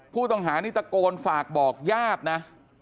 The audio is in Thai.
ผู้ต้องหานี่ตะโกนฝากบอกญาตินะ